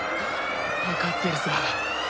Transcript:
わかってるさ。